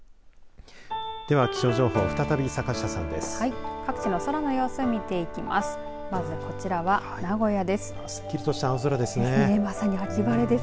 では気象情報再び坂下さんです。